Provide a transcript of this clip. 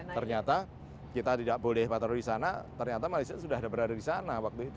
ternyata kita tidak boleh patroli di sana ternyata malaysia sudah berada di sana waktu itu